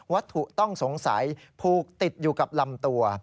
ต้องสงสัยผูกติดอยู่กับลำตัว